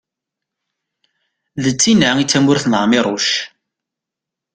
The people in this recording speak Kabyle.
d tin-a i d tamurt n ԑmiruc